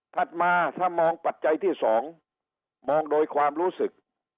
มาถ้ามองปัจจัยที่๒มองโดยความรู้สึก